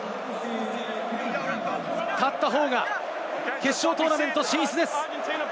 勝った方が決勝トーナメント進出です。